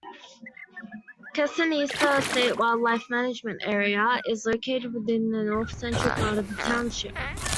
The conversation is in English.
Canosia State Wildlife Management Area is located within the north-central part of the township.